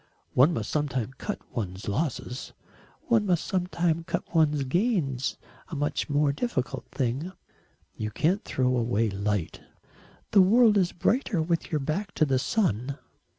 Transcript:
"One must sometimes cut one's losses." "One must sometimes cut one's gains a much more difficult thing." "You can't throw away light." "The world is brighter with your back to the sun."